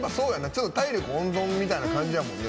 体力温存みたいな感じやもんね。